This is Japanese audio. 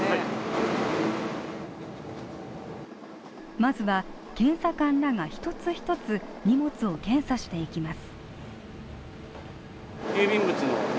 まずは、検査官らが一つ一つ荷物を検査していきます。